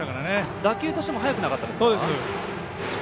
打球としても速くなかったですか？